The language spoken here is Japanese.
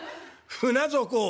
『船底を』」。